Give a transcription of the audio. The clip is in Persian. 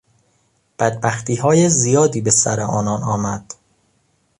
بدبختیهای زیادی به سر آنان آمد.